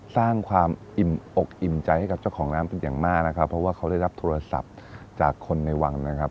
สร้างความอิ่มอกอิ่มใจให้กับเจ้าของน้ำเป็นอย่างมากนะครับเพราะว่าเขาได้รับโทรศัพท์จากคนในวังนะครับ